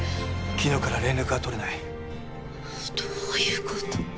昨日から連絡が取れないどういうこと？